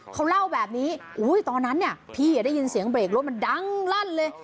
เขาเล่าแบบนี้ตอนนั้นเนี่ยพี่ได้ยินเสียงเบรกรถมันดังลั่นเลย